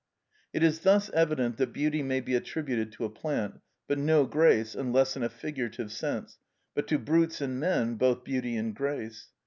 It is thus evident that beauty may be attributed to a plant, but no grace, unless in a figurative sense; but to brutes and men, both beauty and grace.